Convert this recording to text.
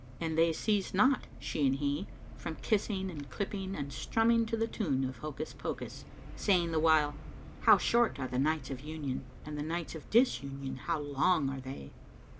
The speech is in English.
And they ceased not, she and he, from kissing and clipping and strumming to the tune of "hocus pocus,"[FN#524] saying the while, "How short are the nights of Union and the nights of Disunion how long are they!"